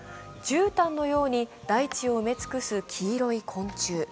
じゅうたんのように大地を埋め尽くす黄色い昆虫。